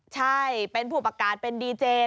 ใช่เป็นผู้ประกาศเป็นดีเจ